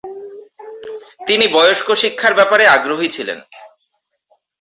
তিনি বয়স্ক শিক্ষার ব্যাপারে আগ্রহী ছিলেন।